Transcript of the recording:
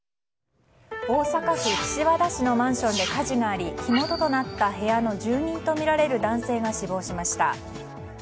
大阪府岸和田市のマンションで火事があり火元となった部屋の住人とみられる男性が死亡しました。